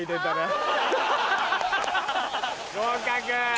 合格。